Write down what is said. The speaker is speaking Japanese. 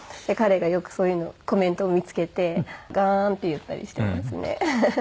彼がよくそういうコメントを見つけてガーンって言ったりしてますね。